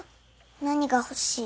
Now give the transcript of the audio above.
何が欲しい？